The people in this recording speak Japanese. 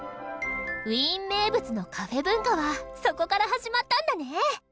ウィーン名物のカフェ文化はそこから始まったんだね！